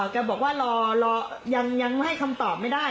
แกบอกว่ารอยังให้คำตอบไม่ได้